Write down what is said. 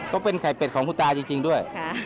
ก็เป็นไข่เป็ดของคุณตาจริงด้วย